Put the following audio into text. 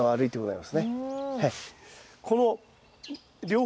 はい。